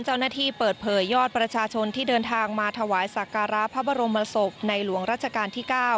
เจ้าหน้าที่เปิดเผยยอดประชาชนที่เดินทางมาถวายสักการะพระบรมศพในหลวงรัชกาลที่๙